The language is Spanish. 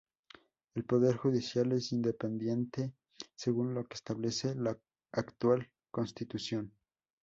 El poder judicial es independiente, según lo que establece la actual Constitución.